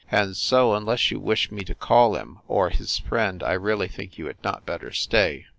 "And so, unless you wish me to call him, or his friend, I really think you had not better stay."